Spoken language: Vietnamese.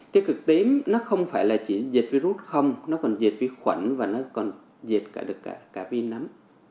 tia cực tím nó không phải là chỉ diệt virus không nó còn diệt vi khuẩn và nó còn diệt cả vi nấm